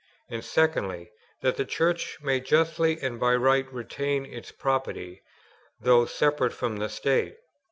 191; and, secondly, that the Church may justly and by right retain its property, though separated from the State.